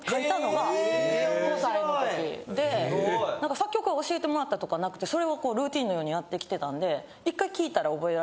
作曲を教えてもらったとかなくてそれをルーティーンのようにやってきてたんで。